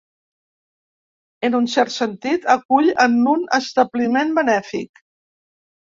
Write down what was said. En un cert sentit, acull en un establiment benèfic.